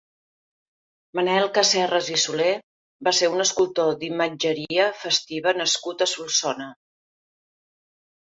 Manel Casserras i Solé va ser un escultor d'imatgeria festiva nascut a Solsona.